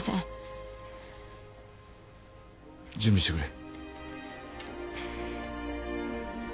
準備してくれ。